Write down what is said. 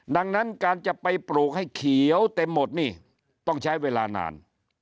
ดังนั้นการจะไปปลูกให้เขียวเต็มหมดนี่ต้องใช้เวลานาน